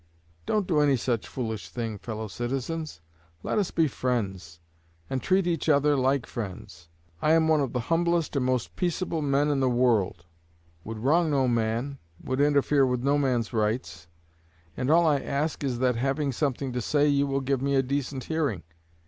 Don't do any such foolish thing, fellow citizens. Let us be friends, and treat each other like friends. I am one of the humblest and most peaceable men in the world would wrong no man, would interfere with no man's rights; and all I ask is that, having something to say, you will give me a decent hearing.